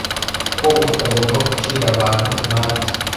ko utagomba gucira abantu imanza